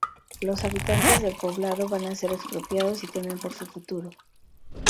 Los habitantes del poblado van a ser expropiados y temen por su futuro.